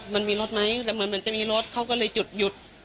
มันมีรถไหมแล้วเหมือนจะมีรถเขาก็เลยหยุด